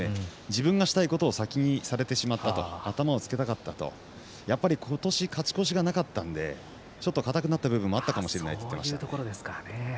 自分がしたいことを先にされてしまったと頭をつけたかったとやっぱりことし勝ち越しがなかったので少し硬くなった部分もあったかもしれないと言っていました。